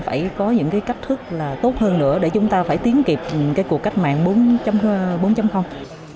phải có những cái cách thức là tốt hơn nữa để chúng ta phải tiến kịp cái cuộc cách mạng bốn